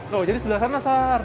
loh jadi sebelah sana sar